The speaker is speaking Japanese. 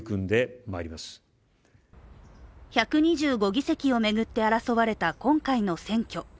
１２５議席を巡って争われた今回の選挙。